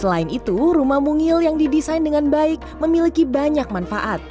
selain itu rumah mungil yang didesain dengan baik memiliki banyak manfaat